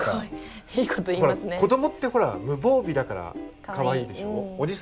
子どもってほら無防備だからかわいいでしょう。